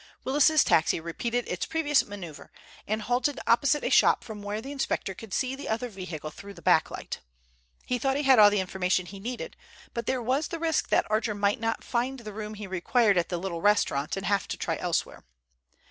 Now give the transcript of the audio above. Willis's taxi repeated its previous maneuver, and halted opposite a shop from where the inspector could see the other vehicle through the backlight. He thought he had all the information he needed, but there was the risk that Archer might not find the room he required at the little restaurant and have to try elsewhere.